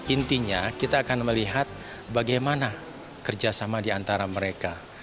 intinya kita akan melihat bagaimana kerjasama di antara mereka